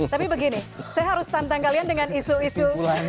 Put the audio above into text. tapi begini saya harus tantang kalian dengan isu isu